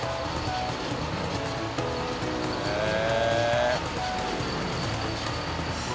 へえ！